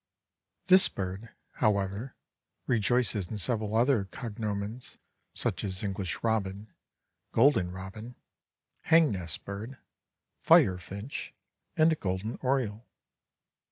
This bird, however, rejoices in several other cognomens, such as English Robin, Golden Robin, Hang nest Bird, Fire Finch, and Golden Oriole.